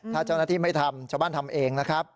ถ้าเจ้าหน้าที่ไม่ทำชาวบ้านทำเองนะครับ